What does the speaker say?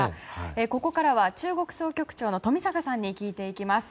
ここからは中国総局長の冨坂さんに聞いていきます。